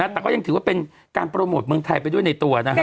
แต่ก็ยังถือว่าเป็นการโปรโมทเมืองไทยไปด้วยในตัวนะฮะ